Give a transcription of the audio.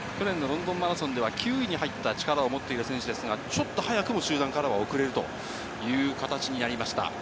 去年のロンドンマラソンでは、９位に入った力を持っている選手ですが、ちょっと早くも集団からは遅れるという形になりました。